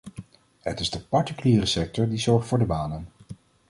Het is de particuliere sector die zorgt voor de banen.